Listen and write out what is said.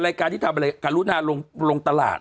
รายการที่ทำอะไรกับลูกหน้าลงตลาด